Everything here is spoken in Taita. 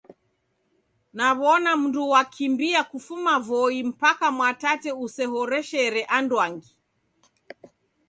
Nawona mundu wakimbia kufuma voi mpaka Mwatate usehoreshere anduangi